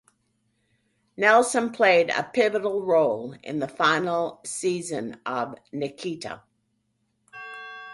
Nelson played a pivotal role in the final season of "Nikita".